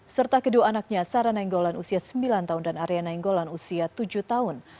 serta kedua anaknya sara nainggolan usia sembilan tahun dan arya nainggolan usia tujuh tahun